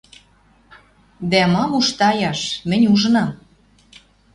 Дӓ мам уж таяш! Мӹнь ужынам